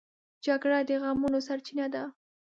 جګړه د غمونو سرچینه ده